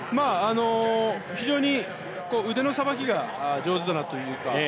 非常に腕のさばきが上手だなというか。